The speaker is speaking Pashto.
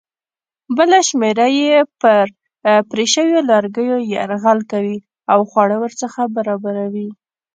بله شمېره یې پر پرې شویو لرګیو یرغل کوي او خواړه ورڅخه برابروي.